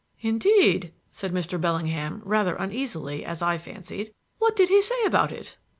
"Indeed," said Mr. Bellingham, rather uneasily, as I fancied. "What did he say about it?"